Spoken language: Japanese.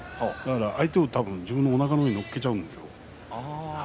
相手を多分自分のおなかの上に乗っけてしまうんですよ。